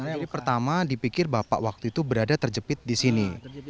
jadi pertama dipikir bapak waktu itu berada terjepit di sini